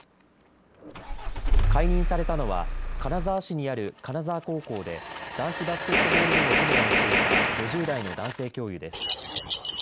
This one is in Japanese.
解任されたのは金沢市にある金沢高校で男子バスケットボール部の顧問をしていた５０代の男性教諭です。